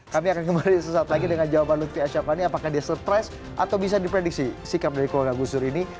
kami akan kembali sesaat lagi dengan jawaban lutfi asaphani apakah dia surprise atau bisa diprediksi sikap dari keluarga gus dur ini